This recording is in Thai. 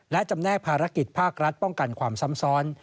และจำแนกภารกิจภาครัฐป้องกันความซ้ำซ้อน